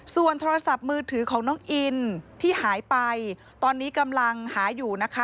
ส่วนโทรศัพท์มือถือของน้องอินที่หายไปตอนนี้กำลังหาอยู่นะคะ